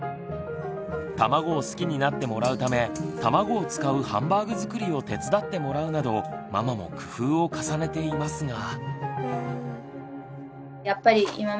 卵を好きになってもらうため卵を使うハンバーグ作りを手伝ってもらうなどママも工夫を重ねていますが。